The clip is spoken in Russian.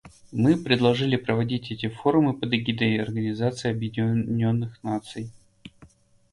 Мы предложили проводить эти форумы под эгидой Организации Объединенных Наций.